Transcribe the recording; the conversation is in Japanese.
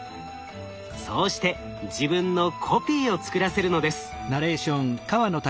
そうして自分のコピーを作らせるのです。